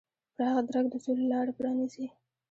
پراخ درک د سولې لاره پرانیزي.